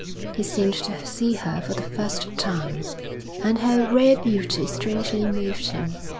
He seemed to see her for the first time, and her rare beauty strangely moved him.